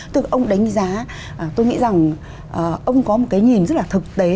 tức là ông đánh giá tôi nghĩ rằng ông có một cái nhìn rất là thực tế